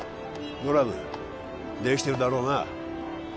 ドラムできてるんだろうな？